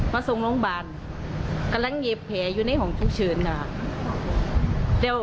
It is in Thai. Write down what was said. มาส่งโรงบาลไหมนี่